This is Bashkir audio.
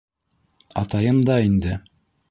— Атайым да инде.